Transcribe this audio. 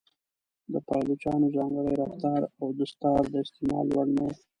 د پایلوچانو ځانګړی رفتار او دستار د استعمال وړ نه و.